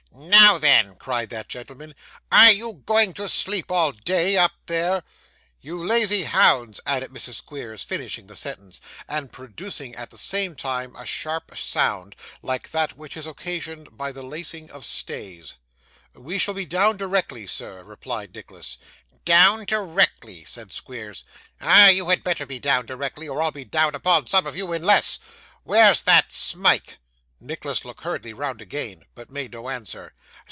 'Now then,' cried that gentleman, 'are you going to sleep all day, up there ' 'You lazy hounds?' added Mrs. Squeers, finishing the sentence, and producing, at the same time, a sharp sound, like that which is occasioned by the lacing of stays. 'We shall be down directly, sir,' replied Nicholas. 'Down directly!' said Squeers. 'Ah! you had better be down directly, or I'll be down upon some of you in less. Where's that Smike?' Nicholas looked hurriedly round again, but made no answer.